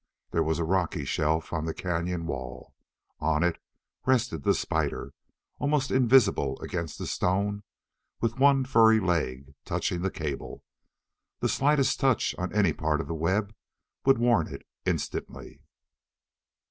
There was a rocky shelf on the cañon wall. On it rested the spider, almost invisible against the stone, with one furry leg touching the cable. The slightest touch on any part of the web would warn it instantly.